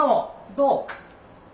どう？